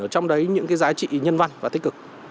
trong đấy những cái giá trị nhân văn và tích cực